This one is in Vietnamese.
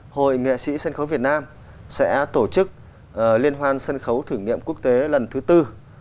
hội nghệ sĩ sân khấu việt nam sẽ tổ chức liên hoan sân khấu thử nghiệm quốc tế lần thứ tư